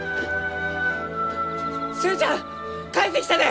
寿恵ちゃん帰ってきたで！